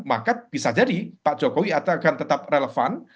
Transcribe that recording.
maka bisa jadi pak jokowi akan tetap relevan